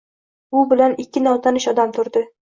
U bilan ikki notanish odam turdi.